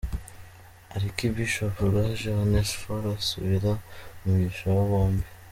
Arikibishop Rwaje Onesphore asabira umugisha aba bombi.